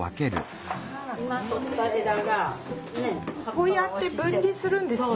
こうやって分離するんですね。